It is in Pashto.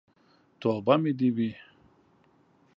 توبه مې دې وي.